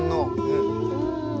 うん。